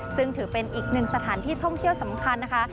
ซึ่งถือเป็นอีกหนึ่งสถานที่ท่องเที่ยวสำคัญนะคะ